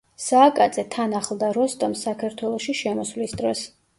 სააკაძე თან ახლდა როსტომს საქართველოში შემოსვლის დროს.